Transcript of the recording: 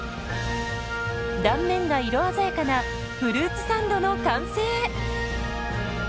断面が色鮮やかなフルーツサンドの完成。